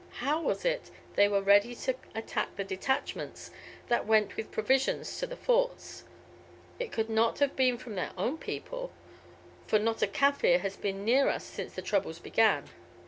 How was it they were ready to attack the detachments that went with provisions to the Forts? It could not have been from their own people, for not a Kaffir has been near us since the troubles began.